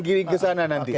kirim ke sana nanti